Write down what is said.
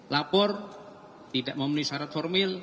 lapor tidak memenuhi syarat formil